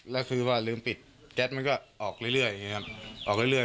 แล้วคือว่าลืมปิดแก๊สมันก็ออกเรื่อยออกเรื่อย